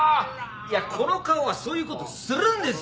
いやこの顔はそういうことするんですよ！